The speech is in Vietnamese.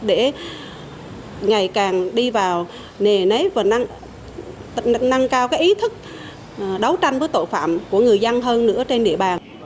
để ngày càng đi vào nề nếp và nâng cao ý thức đấu tranh với tội phạm của người dân hơn nữa trên địa bàn